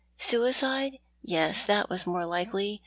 Suicide? Yes, that was more likely.